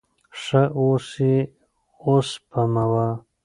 ښه اوس یې اوسپموه.